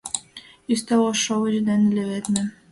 Ӱстел ӧш шовыч дене леведме.